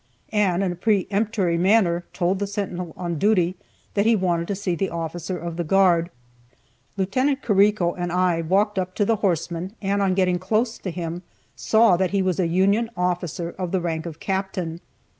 and in a peremptory manner told the sentinel on duty that he wanted to see the officer of the guard. Lieut. Carrico and I walked up to the horseman, and, on getting close to him, saw that he was a Union officer of the rank of Captain.